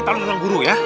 talu renang guru ya